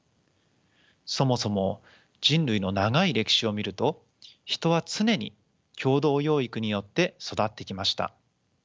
そもそも人類の長い歴史を見ると人は常に共同養育によって育ってきました。